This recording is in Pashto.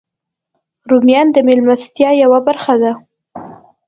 رومیان د میلمستیا یوه برخه ده